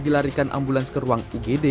dilarikan ambulans ke ruang ugd